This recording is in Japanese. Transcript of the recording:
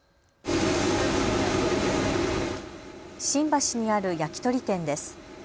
新橋にある焼き鳥店です。